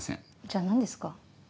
じゃあ何ですか？